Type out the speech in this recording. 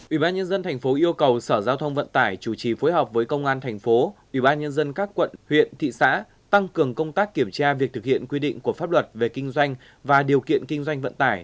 ubnd tp yêu cầu sở giao thông vận tải chủ trì phối hợp với công an thành phố ubnd các quận huyện thị xã tăng cường công tác kiểm tra việc thực hiện quy định của pháp luật về kinh doanh và điều kiện kinh doanh vận tải